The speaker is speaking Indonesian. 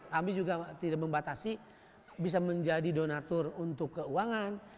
kami juga tidak membatasi bisa menjadi donatur untuk keuangan